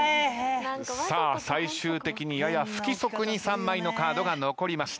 最終的にやや不規則に３枚のカードが残りました。